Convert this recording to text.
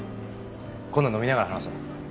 今度飲みながら話そう。